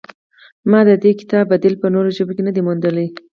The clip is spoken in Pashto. ما د دې کتاب بدیل په نورو ژبو کې نه دی موندلی.